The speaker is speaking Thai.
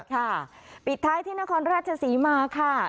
ปิดท้ายที่นครราชศรีมาค่ะ